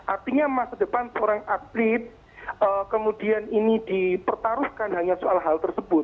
artinya masa depan seorang atlet kemudian ini dipertaruhkan hanya soal hal tersebut